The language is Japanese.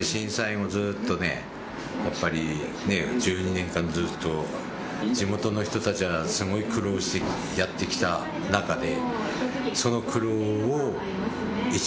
震災後、ずっとやっぱり１２年間ずっと地元の人たちがすごい苦労してやってきた中で。